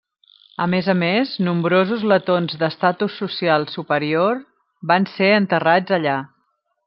A més a més, nombrosos letons d'estatus social superior van ser enterrats allà.